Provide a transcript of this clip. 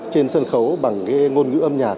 trên sân khấu bằng cái ngôn ngữ âm nhạc